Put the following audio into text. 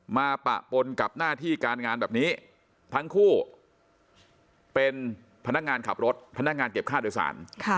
ปะปนกับหน้าที่การงานแบบนี้ทั้งคู่เป็นพนักงานขับรถพนักงานเก็บค่าโดยสาร